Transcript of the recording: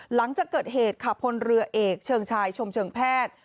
หลังจากเกิดเหตุค่ะพลเรือเอกเชิงชายชมเชิงแพทย์